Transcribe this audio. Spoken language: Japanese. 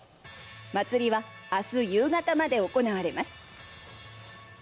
祭りは明日夕方まで行われます。